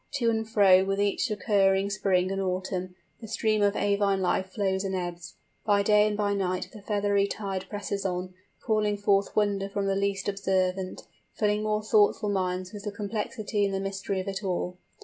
To and fro with each recurring spring and autumn, the stream of avine life flows and ebbs; by day and by night the feathery tides press on, calling forth wonder from the least observant, filling more thoughtful minds with the complexity and the mystery of it all.